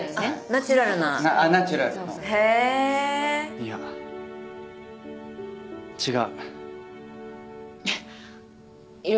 いや違う。